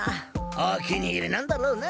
お気に入りなんだろうなべらぼうめ。